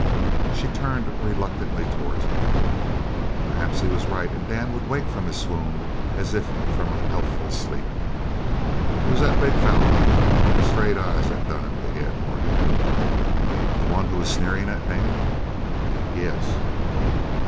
She turned reluctantly towards him. Perhaps he was right and Dan would waken from his swoon as if from a healthful sleep. "It was that big feller with them straight eyes that done it," began Morgan. "The one who was sneering at Dan?" "Yes."